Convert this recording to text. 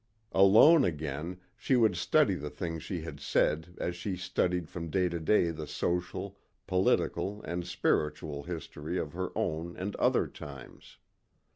Alone again she would study the things she had said as she studied from day to day the social, political and spiritual history of her own and other times.